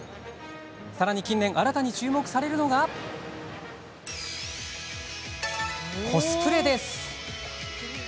さらに近年新たに注目されるのがコスプレです。